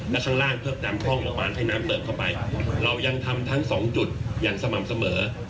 และข้างล่างเพิ่มตามช่องโรงพยาบาลให้น้ำเติบเข้าไปเรายังทำทั้งสองจุดอย่างสม่ำเสมอ